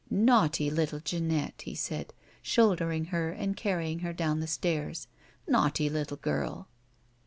"Naughty little Jeanette," he said, shouldering her and carrying her down the stairs; "naughty Kttle girl."